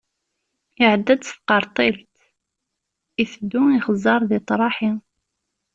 Iɛedda-d s tqerṭilt, iteddu ixeẓẓer deg ṭṭraḥi.